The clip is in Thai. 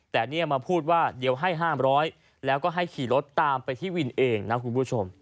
แต่เนี่ยมาพูดว่าเดี๋ยวให้๕๐๐แล้วก็ให้ขี่รถตามไปที่วินเองนะคุณผู้ชม